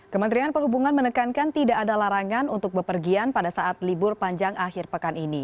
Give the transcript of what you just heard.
kementerian perhubungan menekankan tidak ada larangan untuk bepergian pada saat libur panjang akhir pekan ini